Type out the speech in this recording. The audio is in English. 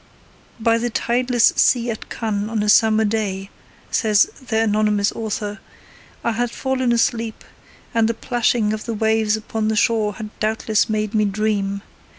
'By the tideless sea at Cannes on a summer day,' says their anonymous author, 'I had fallen asleep, and the plashing of the waves upon the shore had doubtless made me dream.